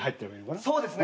そうですね。